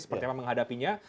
seperti apa menghadapinya